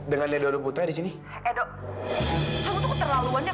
enggak nak enggak